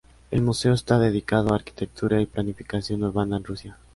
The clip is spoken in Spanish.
El museo está dedicado a arquitectura y planificación urbana en Rusia.